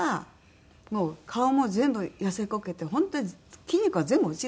もう顔も全部痩せこけて本当に筋肉が全部落ちるんですよね。